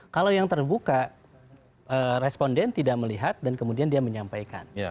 kalau yang terbuka responden tidak melihat dan kemudian dia menyampaikan